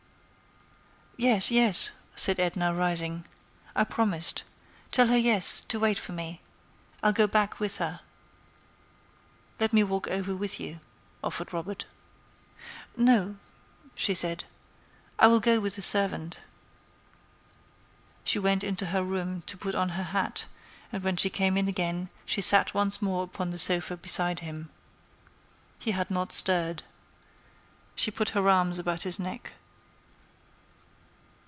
"Yes, yes," said Edna, rising; "I promised. Tell her yes—to wait for me. I'll go back with her." "Let me walk over with you," offered Robert. "No," she said; "I will go with the servant." She went into her room to put on her hat, and when she came in again she sat once more upon the sofa beside him. He had not stirred. She put her arms about his neck.